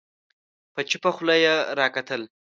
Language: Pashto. په چوپه خوله يې راکتل